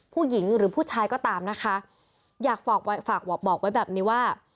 ผู้หญิงหรือผู้ชายก็ตามนะคะอยากฝากไว้ฝากบอกบอกไว้แบบนี้ว่า